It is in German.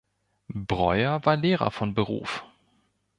Breuer war Lehrer von Beruf.